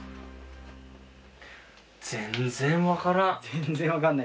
全然分からん。